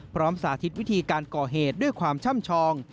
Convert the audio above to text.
สาธิตวิธีการก่อเหตุด้วยความช่ำชอง